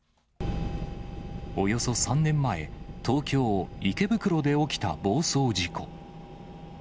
およそ３年前、東京・池袋で起きた暴走事故。